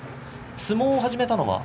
相撲を始めたのは？